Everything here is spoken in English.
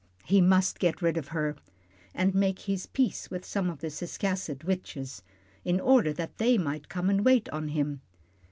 He must get rid of her, and make his peace with some of the Ciscasset witches, in order that they might come and wait on him.